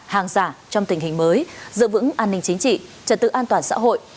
hàng giả trong tình hình mới giữ vững an ninh chính trị trật tự an toàn xã hội